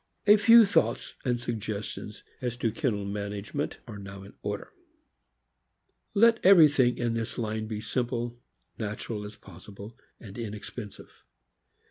A few thoughts and suggestions as to kennel manage ment are now in order. Let everything in this line be simple, natural as possible, and inexpensive.